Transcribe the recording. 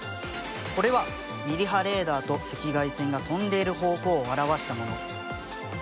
これはミリ波レーダーと赤外線が飛んでいる方向を表したもの。